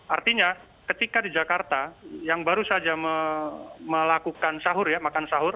artinya ketika di jakarta yang baru saja melakukan sahur ya makan sahur